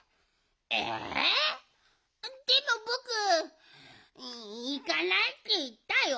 えでもぼくいかないっていったよ。